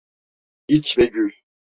İç ve gül!